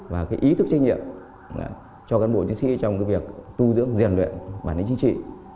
và ý thức trách nhiệm cho cán bộ chiến sĩ trong việc tu dưỡng giàn luyện bản lĩnh chính trị